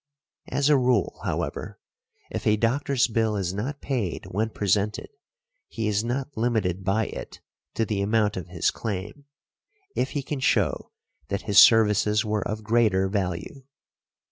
As a rule, however, if a doctor's bill is not paid when presented he is not limited by it to the amount of his claim, if he can show that his services were of greater value .